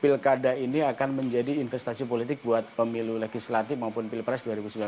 pilkada ini akan menjadi investasi politik buat pemilu legislatif maupun pilpres dua ribu sembilan belas